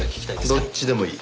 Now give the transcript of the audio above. どっちでもいい。